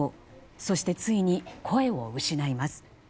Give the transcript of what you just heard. そして、ついに声を失います。